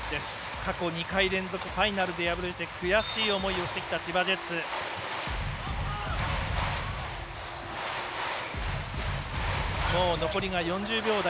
過去２回連続ファイナルで敗れて悔しい思いをしてきた千葉ジェッツ。